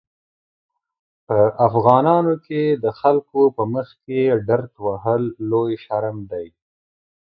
په افغانانو کې د خلکو په مخکې ډرت وهل لوی شرم دی.